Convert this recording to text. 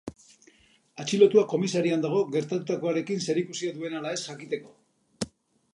Atxilotua komisarian dago gertatutakoarekin zerikusia duen ala ez jakiteko.